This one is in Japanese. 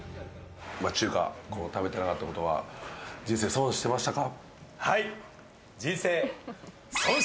中華を食べてなかったってことは、人生損してましたか？